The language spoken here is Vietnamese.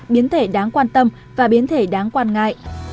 biến thể đáng quan tâm và biến thể đáng quan ngại